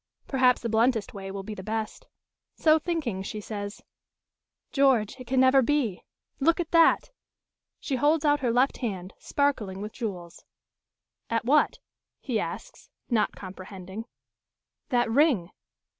Perhaps the bluntest way will be the best. So thinking, she says: "George, it can never be. Look at that!" She holds out her left hand, sparkling with jewels. "At what?" he asks, not comprehending. "That ring."